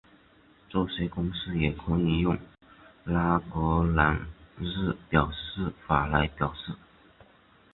这些公式也可以用拉格朗日表示法来表示。